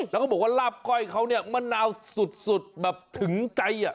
แล้วก็บอกว่าลาบก้อยเขาเนี่ยมะนาวสุดแบบถึงใจ